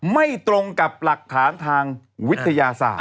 ไม่ตรงกับหลักฐานทางวิทยาศาสตร์